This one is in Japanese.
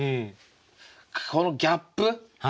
このギャップ。